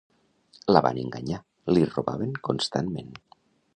La van enganyar, li robaven constantment.